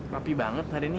rapi banget tadi nih